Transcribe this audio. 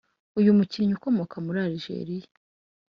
Uyu mukinnyi ukomoka muri Algeria